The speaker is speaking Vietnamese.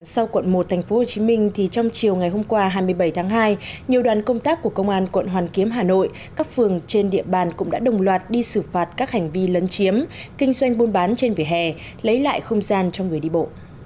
sau quận một tp hcm thì trong chiều ngày hôm qua hai mươi bảy tháng hai nhiều đoàn công tác của công an quận hoàn kiếm hà nội các phường trên địa bàn cũng đã đồng loạt đi xử phạt các hành vi lấn chiếm kinh doanh buôn bán trên vỉa hè lấy lại không gian cho người đi bộ